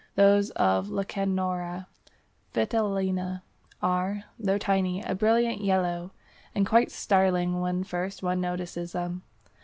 Those of Lecanora vitellina are, though tiny, a brilliant yellow, and quite startling when first one notices them.